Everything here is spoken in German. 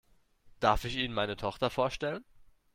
Darf ich Ihnen meine Tochter vorstellen?